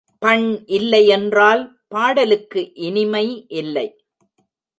பண் இல்லை என்றால் பாடலுக்கு இனிமை இல்லை.